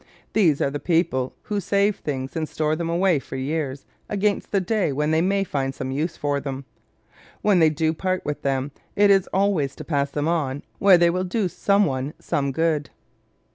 These are the people who save things and store them away for years against the day when they may find some use for them. When they do part with them it is always to pass them on "where they will do some one some good."